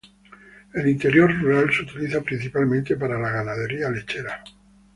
El interior rural se utiliza principalmente para la ganadería lechera.